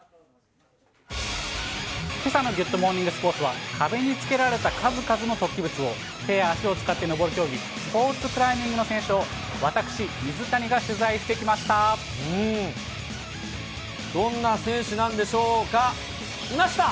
けさのギュッとモーニングスポーツは、壁に付けられた数々の突起物を、手や足を使ってのぼる競技、スポーツクライミングの選手を私、水谷が取材してきました。